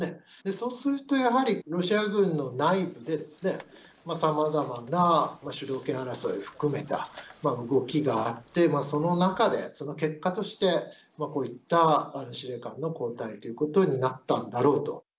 そうすると、やはりロシア軍の内部で、さまざまな主導権争いを含めた動きがあって、その中で、その結果として、こういった司令官の交代ということになったんだろうと。